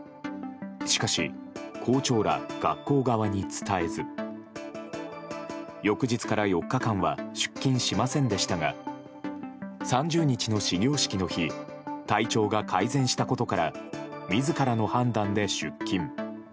しかし、校長ら学校側に伝えず翌日から４日間は出勤しませんでしたが３０日の始業式の日体調が改善したことから自らの判断で出勤。